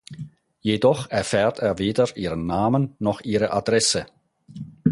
Jedoch erfährt er weder ihren Namen noch ihre Adresse.